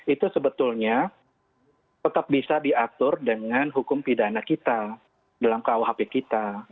itu sebetulnya tetap bisa diatur dengan hukum pidana kita dalam kuhp kita